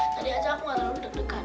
tadi aja aku ngaruh deg degan